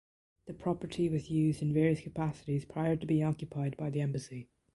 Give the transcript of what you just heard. The property was used in various capacities prior to being occupied by the Embassy.